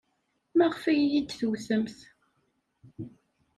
Maɣef ay iyi-d-tewtemt?